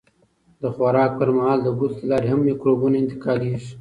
د خوراک پر مهال د ګوتو له لارې هم مکروبونه انتقالېږي.